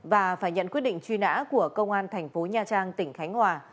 và phải nhận quyết định truy nã của công an tp nha trang tỉnh khánh hòa